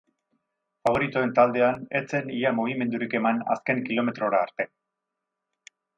Faboritoen taldean ez zen ia mugimendurik eman azken kilometrora arte.